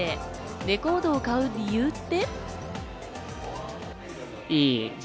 レコードを買う理由って？